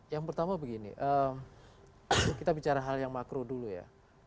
yang pertama begini kita bicara hal yang makro dulu ya